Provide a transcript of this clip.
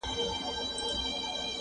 پر هېزګاره وو سایه د پاک سبحان وو!!